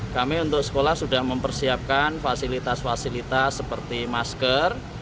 kami untuk sekolah sudah mempersiapkan fasilitas fasilitas seperti masker